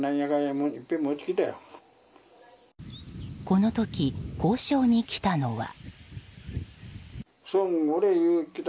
この時、交渉に来たのは。